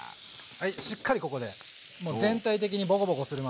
しっかりここで全体的にボコボコするまで。